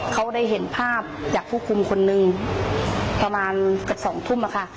เขาได้เห็นภาพจากผู้คุมคนนึงประมาณเกือบ๒ทุ่มค่ะ